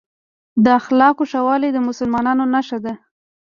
د اخلاقو ښه والي د مسلمان نښه ده.